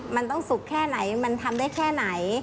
มันต้องสุกแค่ไหนมันทำได้แค่ไหน